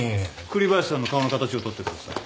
栗林さんの顔の形をとってください。